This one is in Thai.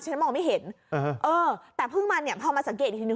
ฉันมองไม่เห็นเออแต่เพิ่งมาเนี่ยพอมาสังเกตอีกทีนึ